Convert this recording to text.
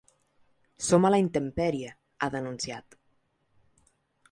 Som a la intempèrie, ha denunciat.